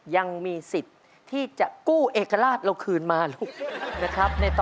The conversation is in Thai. ยังมีสิทธิ์ที่จะกู้เอกลาสเราคืนมาลูก